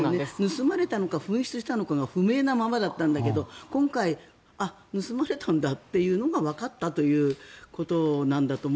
盗まれたのか紛失したのか不明なままだったんだけど今回、盗まれたんだっていうのがわかってということなんだと